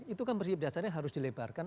itu kan bersih berdasarnya harus dilebarkan